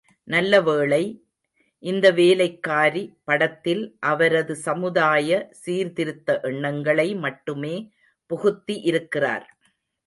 நல்ல வேளை, இந்த வேலைக்காரி படத்தில் அவரது சமுதாய சீர்திருத்த எண்ணங்களை மட்டுமே புகுத்தி இருக்கிறார்.